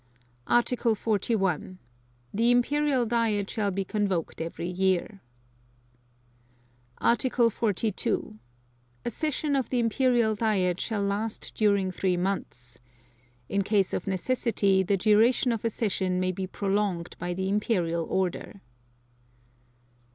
Article 41. The Imperial Diet shall be convoked every year. Article 42. A session of the Imperial Diet shall last during three months. In case of necessity, the duration of a session may be prolonged by the Imperial Order.